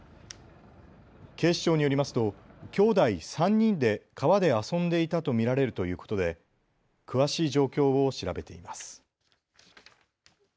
警視庁によりますときょうだい３人で川で遊んでいたと見られるということで詳しい状況を調べています。